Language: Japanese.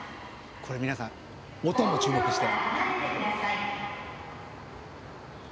これ皆さん音も注目して」